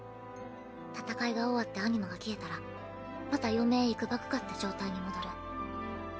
戦いが終わってアニマが消えたらまた余命いくばくかって状態に戻る。